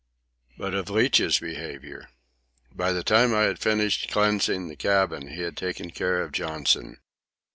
But of Leach's behaviour—By the time I had finished cleansing the cabin he had taken care of Johnson.